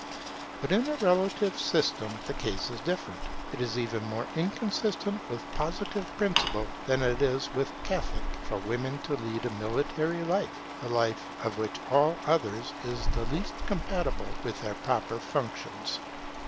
But in a relative system the case is different. It is even more inconsistent with Positive principles than it is with Catholic, for women to lead a military life, a life which of all others is the least compatible with their proper functions.